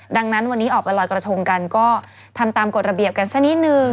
ดังนั้นวันนี้ออกไปลอยกระทงกันก็ทำตามกฎระเบียบกันสักนิดนึง